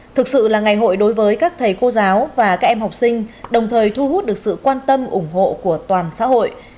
thực sự là ngày hội đối với các thầy cô giáo và các em học sinh đồng thời thu hút được sự quan tâm ủng hộ của toàn xã hội